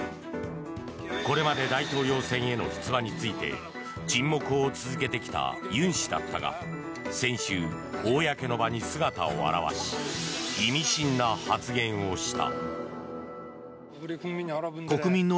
これまで大統領選への出馬について沈黙を続けてきたユン氏だったが先週、公の場に姿を現し意味深な発言をした。